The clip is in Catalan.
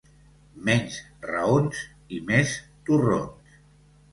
Menys raons i més torrons.